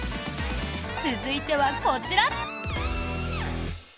続いてはこちら！